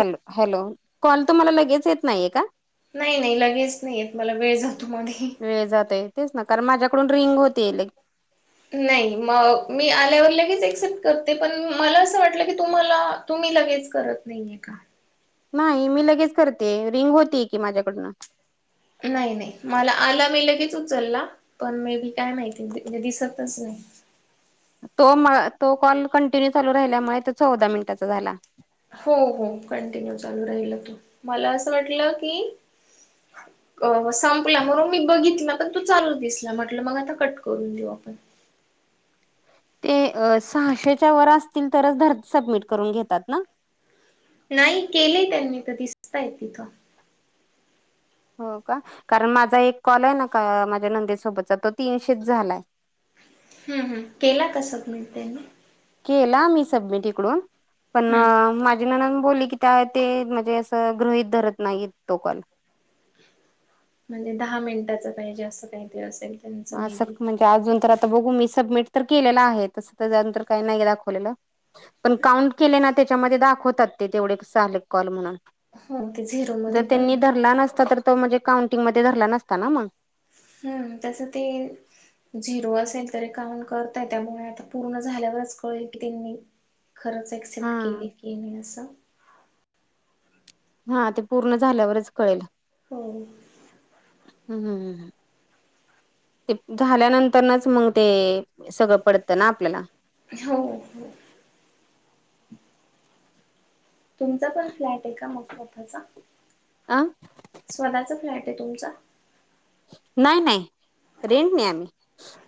Hello, hello, call तुम्हाला लगेच येत नाहीये का? नाही नाही. लगेच नाही येत. मला वेळ जातो मध्ये, वेळ जातोय. तेच ना कारण माझ्याकडून रिंग होते लई नाही. मग मी आल्यावर लगेच एक्सेप्ट करते पण मला असं वाटलं की तुम्हाला, तुम्ही लगेच करत नाही आहे का? नाही. मी लगेच करते रिंग होते की माझ्याकडनं नाही नाही. मला आला मी लगेच उचलला. पण मेल काय माहिती ते दिसतच नाही. तो मा तो कॉल कंटिन्यू चालू राहिल्यामुळे तो चौदा मिनिटाचा झाला. हो हो. कंटिन्यू चालू राहिला तो मला असं वाटलं की, [inaudible] अ संपला म्हणून मी बघितला. पण तो चालूच दिसला. म्हटलं, मग आता कट करून देऊ आपण. ते अ सहाशेच्या वर असतील. तरच धर सबमिट करून घेतात ना? नाही केलय त्यांनी तर दिसताहित एका. हो का. कारण माझा एक कॉल आहे ना का. माझ्या नंदे सोबतचा तो तीनशेच झालाय. हम्म हम्म केला का सबमिट त्यांनी? केला मी सबमिट इकडून. पण हम्म. माझ्या माझी नणंद बोली की त्या ते म्हणजे असं गृहित धरत नाही तो कॉल. म्हणजे दहा मिनिटाच पाहिजे असं काही तरी असेल. त्यांचं मे असं बी. म्हणजे अजून तर आता बघू मी सबमिट तर केलेलं आहे. तसं तेच्यानंतर काही नाही दाखवलेल. पण काउंट केले ना त्याच्यामध्ये दाखवतात ते तेवढे झालेत कॉल म्हणून, हो ते झिरो जर मध्ये पण त्यांनी धरला नसता तर, तो म्हणजे काउंटिंग मध्ये धरला नसता ना मग? हम्म तसं ते झिरो असेल तरी कॉउट करत्यात. त्यामुळे आता पूर्ण झाल्यावरच कळेल की त्यांनी खरंच हा एक्सेप्ट केले की नाही असं. हा ते पूर्ण झाल्यावरच कळेल. हो. हम्म हम्म हम्म. ते झाल्या नंतरनच मग ते सगळं पडतं ना आपल्याला. हो. तुमचा पण फ्लॅट आहे का मग स्वतःचा? आ. स्वतःचा फ्लॅट आहे तुमचा? नाही नाही, रेंट नी आहे आम्ही.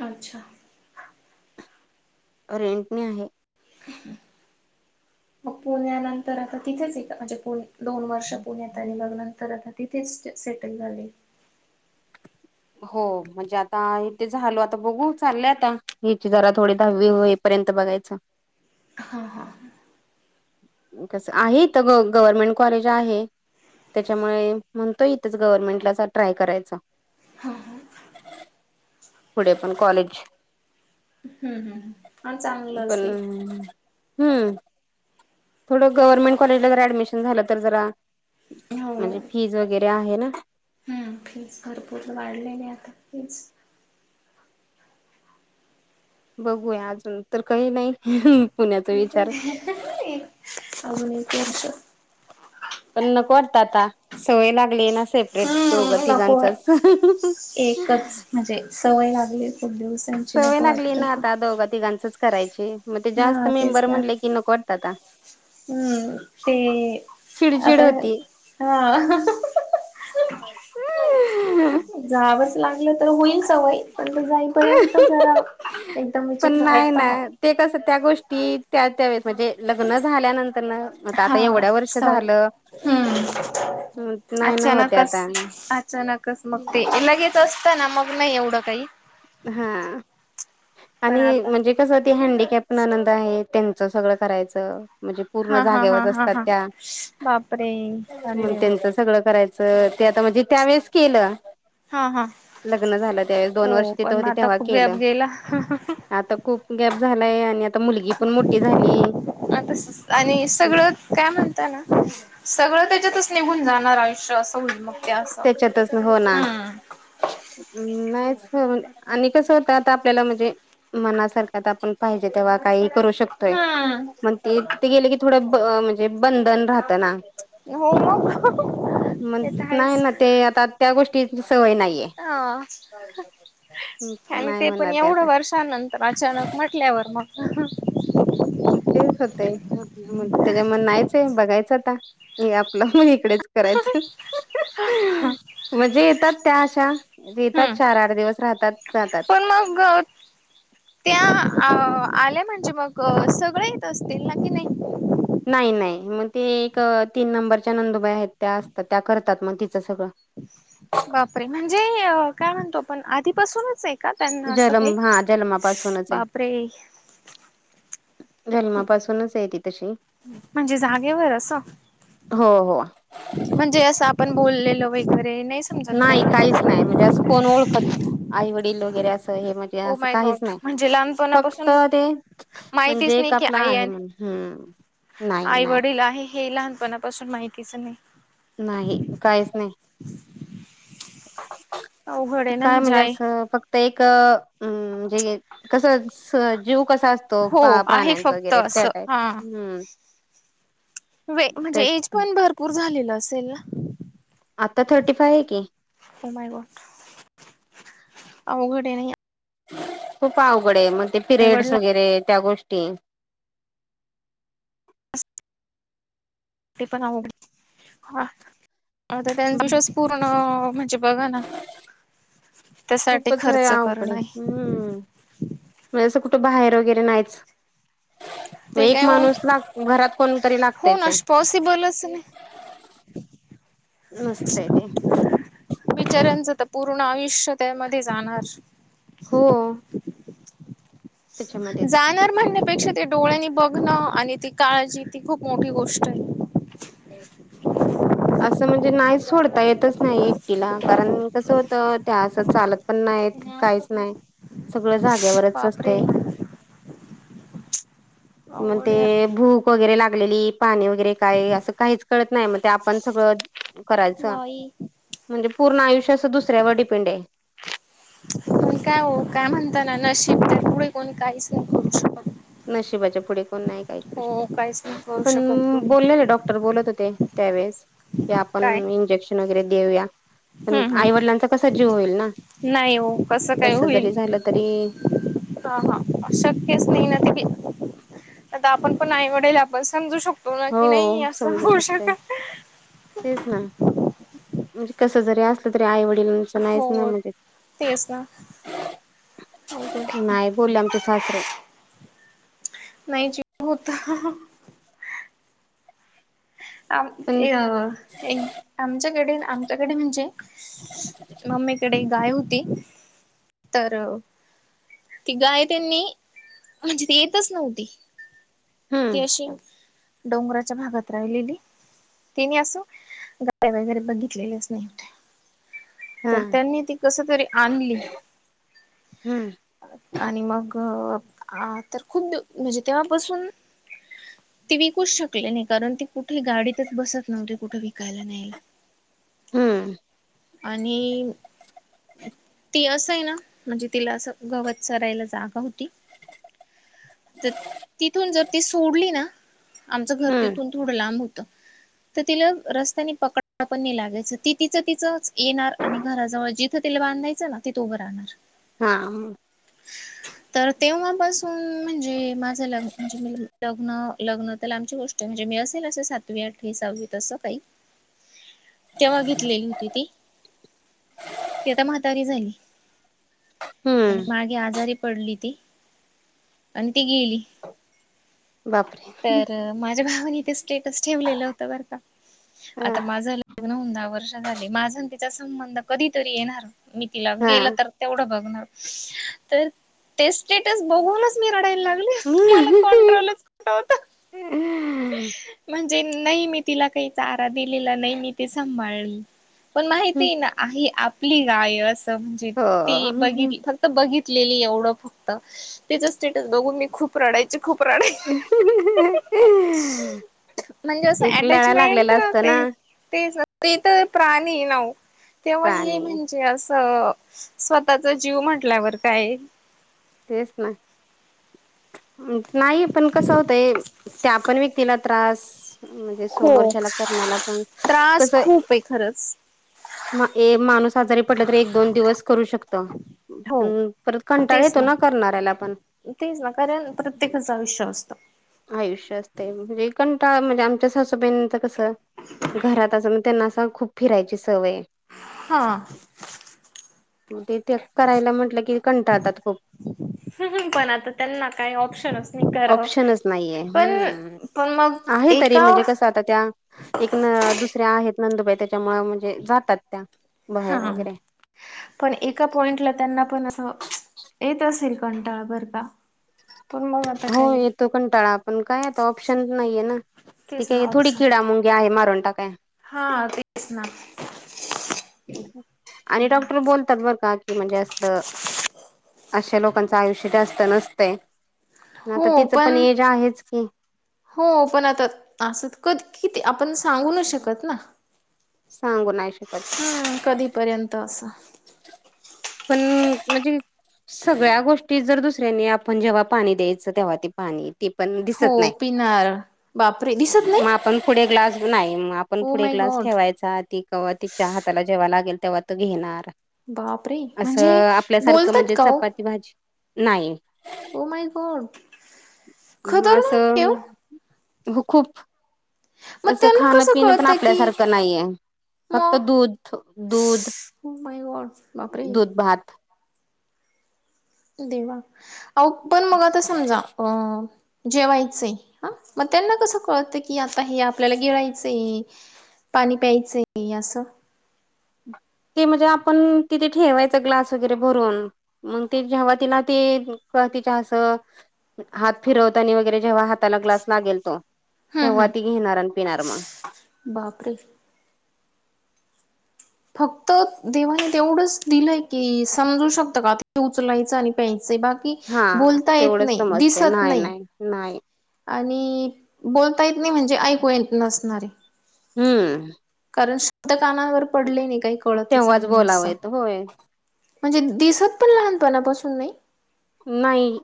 आमच्या रेंट नी आहे. मग पुण्यानंतर आता तिथेच आहे का म्हणजे पुणे दोन वर्ष पुण्यात आणि मग नंतर आता तिथेच स्टे सेटल झाले. हो म्हणजे आता इथे झालो आता बघू चाललंय आता हिची जरा थोडी दहावी होई पर्यंत बघायचं हां हां. कसं आहे त ग गव्हर्नमेंट कॉलेज आहे. त्याच्यामुळे म्हणतोय इथेच गव्हर्मेंटला चा ट्राय करायचा हां. पुढे पण कॉलेज ह्म्म ह्म्म पण चांगलं पण असेल. हम्म. थोडं गव्हर्नमेंट कॉलेजला जर ऍडमिशन झालं तर जरा हो म्हणजे फीज वगैरे आहे ना. हम्म फीज भरपूर वाढलेले आहे फीज. बघू या अजून तर काही नाही पुण्याचा अजून विचार एक वर्ष पण नको वाटत आता, सवय लागली हे ना सेफ रेट दोघं हम्म नको तिघांचाच. एकच म्हणजे सवय लागली खूप दिवस सवय लागली ना आता दोघा तिघांचच करायची मग ते जास्त हा मेंबर म्हणले की नको वाटत आता. ह्म्म ते चिडचिड आता होती हा जावंच लागलं तर होईल तवई पण म जाईपर्यंत जरा एकदम पण विचित्र नाही वाटत ना म. ते कसं त्या गोष्टी त्या त्यावेेळेस म्हणजे लग्न झाल्यानंतर न मता आता हा एवढ्या वर्ष सवय झालं हम्म नाही ना होते अचानकच आता अचानक कस मग ते लगेच असतं ना मग नाही एवढं काही. हा पण आणि आता म्हणजे कसं त हँडीकॅप ननंद आहे त्यांचं सगळं करायचं म्हणजे पूर्ण हा हा हा जागेवरच हा असतात हा त्या, बापरे अरे मंग देवा त्यांचच सगळं करायचं ते आता म्हणजे त्यावेेळेस केलं हा हा लग्न झालं त्या वेळेस दोन वर्ष हो तिथे पण मग होते आता तेव्हा खूप गॅप केलं, गेला आता खूप गॅप झालाय आणि आता मुलगी पण मोठी झाली. आता आणि सगळं काय म्हणताय ना सगळं त्याच्यातच निघून जाणार आयुष्य असं होईल मग ते असं. त्याच्यातच हो ना, नाहीच फिरून आणि कस होत आता आपल्याला म्हणजे मनासारखं त आपण पाहिजे तेव्हा काही करू शकतोय हम्म मंग ते तिथे गेले की थोडं ब म्हणजे बंधन राहतं ना. हो मग. मग ते तर आहेच नाही ना ते आता त्या गोष्टीची सवय नाहीये. हा नाही म्हणणार ते आता. हा नंतर अचानक म्हटल्यावर मग. तेच होतय ह. मग त्याच्या मण नाहीचे बघायचं आता हे आपलं मग इकडेच करायचं. म्हणजे येतात त्या अशाे हम्म येतात चार आठ दिवस राहतात जातात. घट [unintelligible] त्या आ - आल्या म्हणजे मग सगळ येत असतील ना कनी. नाही नाही म ते एक तीन नंबरच्या नंदुबाई आहेत त्या असतात त्या करतात मग तिचं सगळं. बापरे म्हणजे काय म्हणतो आपण आधीपासूनच आहे. का त्यांना असं जलम काही हा जनमापासूनच आहे. बापरे जनमापासूनच ये ती तशी. म्हणजे जागेवर असं हो हो. म्हणजे असं आपण बोललेल वगैरे नाही समजत नाही काहीच नाही काही म्हणजे असं कोण ओळखत, आई वडील वगैरे असं हे म्हणजे ते ओ असं माय काहीच गॉड नाही, म्हणजे फक्त लहानपणापासून ते, माहितीच म्हणजे नाही एक की आपला आई आहे म्हनून हम्म. नाही आई नाही वडील आहे हे लहानपणापासून माहितीच नाही. नाही काहीच नाही. अवघड ते आहे ना काय म्हणजे आई असं फक् ते एक, एम म्हणजे, कस स जीव कसा अस तो पा हो - आहे प्राण्यांचा फक्त वगैरे त्या असं टाइप, हा. हम्म. वे म्हणजे तेच एज पण भरपूर झालेलं असेल ना? आता थर्टी फाय आहे की. ओ माय गॉड, अवघड आहे ना या खूप अवघड आहे म ते पिरयड्स आईवडला वगैरे त्या गोष्टी. ते पण आवघड, हा, आता त्यांची मागच्या हम्म, वेळेस पूर्ण म्हणजे बघा ना. त्यासाठी खूपच होय खर्च अवघड हाय करणं हम्म, म्हणजे असं कुठं बाहेर वगैरे नाहीच. म ते एक काय होऊन माणूस ला घरात कोणतरी हो लागतायच ना ये. पॉसिबलच नाही नसतय ते. बीचारांचं तर पूर्ण आयुष्य त्यामध्ये जाणार. हो. त्याच्यामध्येच जाणार म्हणण्यापेक्षा ते डोळ्यांनी बघणं आणि ती काळजी ती खूप मोठी गोष्ट आहे. ते, हो. असं म्हणजे नाही सोडता येतच नाही एकटीला कारण कसं होत त्या असं चालत पण नाहीत. काहीच नाही, सगळ जाग्यावरच बापरे असतय. म अवघड ते यार भूक वगैरे लागलेली पाणी वगैरे काय असं काहीच कळत नाही म ते आपण सगळं, करायचं. बाई म्हणजे पूर्ण आयुष्यां अस दुसऱ्यावर डिपेंड ये. पण काय ओ काय म्हणत ना नशीब त्या पुढे कोण काहीच नाही करू शकत. नशिबाच्या पुढे कोण नाही काय करू हो काहीच शकत, नाही करू पण शकत कोणी बोललेले डॉक् डॉक्टर बोलत होते, त्यावेेळेस, की आपण काय इंजेक्शन वगैरे देऊया. पण हम्म आई हम्म वडलांचा कसा जीव होईल ना. नाही ओ कसं काय होईल. जरी झालं तरी हा हा शक्यच नाही ना ते काही, आता आपण पण आईवडल आपण समजू शक तो ना हो की नाही असं समजू होऊ शकते शकत. तेच ना. म्हणजे कसं जरी असलं तरी आईवडील तस नाहीच ना हो म्हनजे, तेच ना अवघड आहे नाहीत. पोल आमचे सासरे. नाही [unintelligible] होत. आम पण ये ते- एक आमच्याकडे न आमच्याकडे म्हणजे मम्मीकडे गाय होती तर. ती गाय त्यांनी म्हणजे ती येतच नव्हती. ती हम्म अशी डोंगराच्या भागात राहिलेली. तिने असं गाड्या वगैरे बघितलेलेच नव्हतं. हा तर त्यांनी ती कस तरी आणली. हम्म आणि मग आ तर खु म्हणजे तेव्हा बसून. ती विकूच शकले नाही कारण ती कुठे गाडीतच बसत नव्हती कुठे विकायला न्यायला. हम्म. आणि ती असंय ना. म्हणजे तिला असं गवत सरायला जागा होती तर तिथून जर. ती सोडली ना आमचं घर हम्म तिथून थोडं लांब होत. तर तिला रस्त्याने पकड पण नाही लागायचं ती तिचं तिचं. येणार आणि घराजवळ जिथं तिला बांधायचं ना तिथे उभं राहणार. ''हां'' म. तर तेव्हापासून म्हणजे माझं लग् म्हणजे लग्न लग्न तर आमची गोष्ट. म्हणजे मी असेल असं सातवी आठवी सहावी तसं काही. [inaudible] तेव्हा घेतलेली होती ती. ती आता म्हातारी झाली हम्म आणि मागे आजारी पडली ती. आणि ती गेली. बापरे. तर माझ्या भावानी ते स्टेटस ठेवलेलं होतं बर का आता ह माझ. लग्न होऊन दहा वर्ष झाले माझा तिचा संबंध कधीतरी येणार मी तिला हा गेल तर. तेवढ बघणार तर ते स्टेटस बघूनच मी रडायला लाग''--'' मला मला कंट्रोलच. कुठं होत हम [inaudible] म्हणजे नाही मी तिला काही चारा दिलेला नाही मी ते सांभाळल. पण माहिती ना आ आपली गाय असं म्हणजे ती हो बघिली. बघितलेली एवढं फक्त त्याच स्टेटस बघून मी खूप रडायची खूप रडायची. म्हणजे असं एक लळा अटॅचमेंट लागलेला असतो ना होते. तेच ते तर प्राणी ना तेव्हा हे प्राणी म्हणजे असं. स्वतःचा जीव म्हटल्यावर काय. तेच ना. नाही पण कसं होतंय त्या पण व्यक्तीला त्रास. म्हणजे हो समोरच्याला करणारला पण त्रास कसंय. खूप आहे खरंच. मा ए माणूस आजारी पडला तर एक दोन दिवस करू शकत. हो पण परत कंटाळा येतो. तेच ना करणाऱ्याला पण. तेच ना कारण प्रत्येकाचं आयुष्य असतं. आयुष्य असते म्हणजे कंटाळ म्हणजे आमच्या सासूबाईणीच कसं घरात असं म्हण. त्यांना अस खूप फिरायची सवय हाय. हा, मग ते त्या करायला म्हंटलं कि. पण आता त्यांना काही ऑप्शनच नाही कराव. नाही हम आहे तरी एका म्हणजे कस आता. आता त्या एक न दुसऱ्या आहेत नंदबाई त्याच्यामुळ म्हणजे जातात त्या. बाहेर हा! वगैरे पण एका पॉइंटला त्यांना पण अस येत असेल कंटाळा बरं का? पण मग आता काही तो कंटाळा पण काय आता ऑप्शन नाहीय ना ती तेच ना काही थोडी ऑप्शन किडा मुंगी आहे मारून टाकाय. हा तेच ना. आणि डॉक्टर बोलतात बरं का की म्हणजे अस द अश्या लोकांचं आयुष्य जास्त नसतंय. आता तिचं पण एज आहेच की हो पण, आता असत कध किती आपण सांगू नाही शकत ना. सांगू नाही शकत. हम्म कधीपर्यंत अस पण म्हजे सगळ्या गोष्टी जर दुसऱ्यांनी, आपण जेव्हा पाणी द्यायचं, तेव्हा ते पाणी ती पण दिसत हो नाही, पिणार बापरे दिसत मग नाही आपण पुढे ग्लास नाही, म आपण ओ पुढे माय ग्लास गॉड ठेवायचा. ती कवा तिच्या हाताला जेव्हा लागेल तेव्हा तो घेणार बापरे! असं म्हणजे आपल्यासारखं बोलतात म्हणजे, का ओ चपाती भाजी नाही. ओ माय गॉड, खतरनाक हे हो. अगं खूप. मग असं त्यांना खाणं कसं पिणं पण कळतं की आपल्यासारखं नाहीये. फक्त मग दूध दूध, हो माय गॉड बापरे दूध-भात. देवा, अहो पण मग आता समजा अ जेवायचय, ह मग त्यांना कसं कळतं की, आता हे आपल्याला गिळायचय पाणी प्यायचय हे असं. ते म्हणजे आपण तिथे ठेवायच ग्लास वगैरे भरून. मग ते जेंव्हा तिला ते का तिच्या असं हात फिरवतानी वगैरे जेव्हा हाताला ग्लास लागेल तो हम्म तेंव्हा ती हम्म घेणार आण पिणार मग बापरे! फक्त देवानी तेवढंच दिलंय की, समजू शकतं का उचलायचं, आणि प्यायचंय बाकी हा बोलता येत तेवढंच नाही समजते, दिसत नाही नाही नाही. आणि बोलता येत नाही म्हणजे ऐकू येत नसणारे हम्म! कारण शब्द कानावर पडले नी काही कळतच तेव्हाच नाही अस. बोलावं येत होय म्हणजे दिसत पण लहानपणापासून नाही? नाही.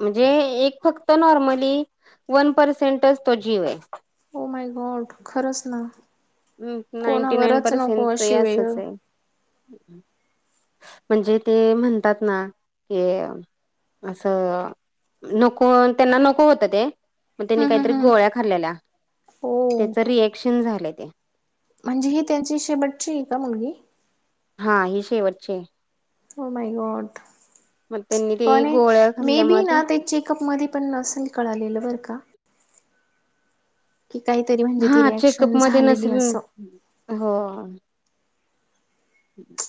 म्हणजे एक फक्त नॉर्मली, वन परसेन्टच तो जीव हाय. ओ माय गॉड, खरंच ना! हम्म नाईंटी नाईन कोणावरच नको परेसेन्टच हे अशी वेळ आसच हाय. म्हणजे ते म्हणतात ना, की अस नको, त्यांना नको होतं ते मग त्यांनी हम्म काहीतरी हम्म हम्म गोळ्या खालेल्या, हो. त्याच रिएक्शन झालंय ते. म्हणजे ही त्यांची शेवटची आहे का मुलगी? हा ही शेवटची हाय. Oh my God! मग त्यांनी ते पण गोळ्या मे खाल्ल्यामुळे बी ना ते चेकअपमध्ये पण नसेल कळालेलं बर का. काहीतरी म्हणजे ती हा, रिॲक्शन चेकअपमध्ये झालेली नसेल, असं. हो [unintelligible] [inaudible]